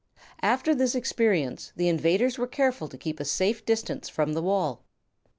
After this experience the invaders were careful to keep a safe distance from the wall.